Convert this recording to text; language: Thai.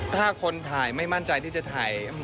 ถ้าคนถ่ายไม่มั่นใจที่จะถ่าย